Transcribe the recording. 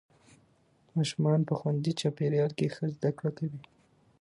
ماشومان په خوندي چاپېریال کې ښه زده کړه کوي